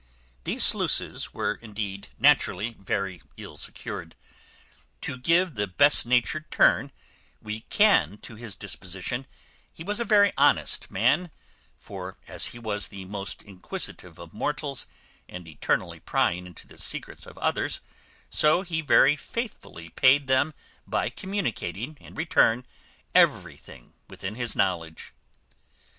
These sluices were indeed, naturally, very ill secured. To give the best natured turn we can to his disposition, he was a very honest man; for, as he was the most inquisitive of mortals, and eternally prying into the secrets of others, so he very faithfully paid them by communicating, in return, everything within his knowledge.